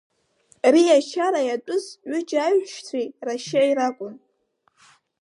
Риашьара иатәыз ҩыџьа аиҳәшьцәеи рашьеи ракәын.